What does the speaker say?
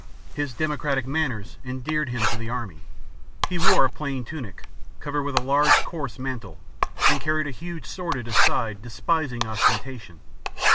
His democratic manners endeared him to the army. He wore a plain tunic covered with a large, coarse mantle, and carried a huge sword at his side, despising ostentation.